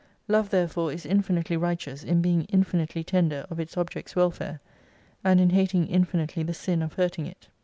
Love therefore is infinitely righteous in being infinitely tender of its object's welfare : and in hating infinitely the sin of hurting it.